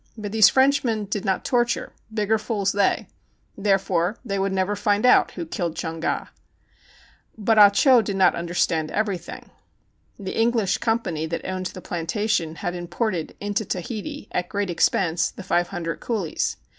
But these Frenchmen did not torture ã bigger fools they ! Therefore they would never find out who killed Chung Ga. But Ah Cho did not understand everything. The English Company that owned the planta tion had imported into Tahiti, at great expense, the five hundred coolies.